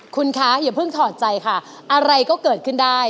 คุณคะอย่าเพิ่งถอดใจค่ะอะไรก็เกิดขึ้นได้